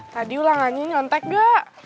tadi ulangannya nyontek nggak